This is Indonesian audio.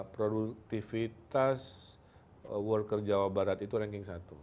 produktivitas worker jawa barat itu ranking satu